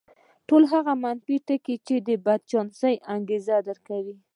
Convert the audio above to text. ټول هغه منفي ټکي چې د بدچانسۍ انګېزه درکوي.